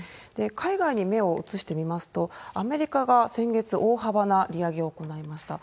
海外に目を移してみますと、アメリカが先月、大幅な利上げを行いました。